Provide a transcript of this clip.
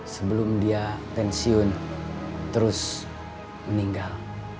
sebelum dia pensiun terus meninggal